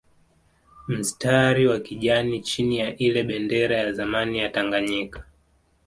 Mstari wa kijani chini wa ile bendera ya zamani ya Tanganyika